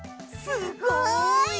すごい！